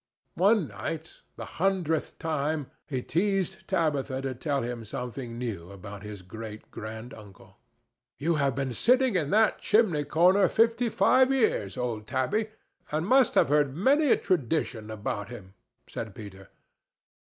One night—the hundredth time—he teased Tabitha to tell him something new about his great granduncle. "You have been sitting in that chimney corner fifty five years, old Tabby, and must have heard many a tradition about him," said Peter.